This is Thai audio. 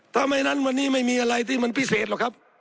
ทำไมนั้นวันนี้ไม่มีอะไรที่มันพิเศษหรอกครับ